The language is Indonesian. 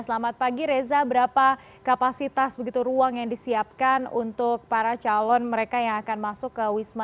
selamat pagi reza berapa kapasitas begitu ruang yang disiapkan untuk para calon mereka yang akan masuk ke wisma